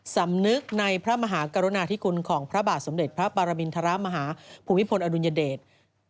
สำนึกในพระมหากรุณาธิคุณของพระบาทสมเด็จพระปรมินทรมาฮาภูมิพลอดุลยเดช